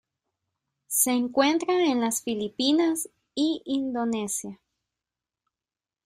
Se encuentra en las Filipinas y Indonesia.